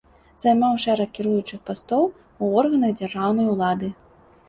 Займаў шэраг кіруючых пастоў ў органах дзяржаўнай улады.